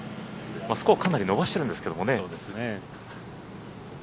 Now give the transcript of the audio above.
スコアはかなり伸ばしてるんですけどね。